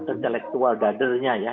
sebagai intak terjangkau dadernya ya